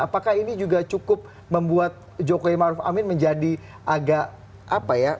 apakah ini juga cukup membuat jokowi maruf amin menjadi agak apa ya